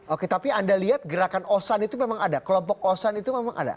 oke tapi anda lihat gerakan osan itu memang ada kelompok osan itu memang ada